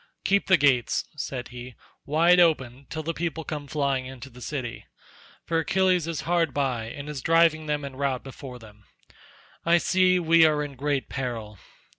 "Keep the gates," said he, "wide open till the people come flying into the city, for Achilles is hard by and is driving them in rout before him. I see we are in great peril.